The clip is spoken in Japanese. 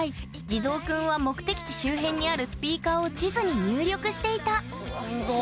地蔵くんは目的地周辺にあるスピーカーを地図に入力していたすご！